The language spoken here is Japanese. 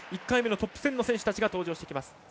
１回目のトップ１０の選手たちが登場してきます。